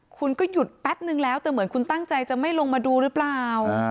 คุณก็หยุดแป๊บนึงแล้วแต่เหมือนคุณตั้งใจจะไม่ลงมาดูหรือเปล่า